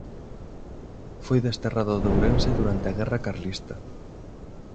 Foi desterrado de Ourense durante a guerra carlista.